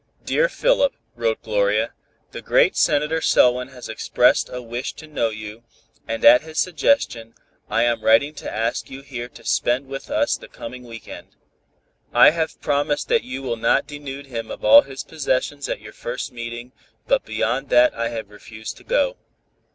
"Dear Philip," wrote Gloria, "the great Senator Selwyn has expressed a wish to know you, and at his suggestion, I am writing to ask you here to spend with us the coming week end. I have promised that you will not denude him of all his possessions at your first meeting, but beyond that I have refused to go.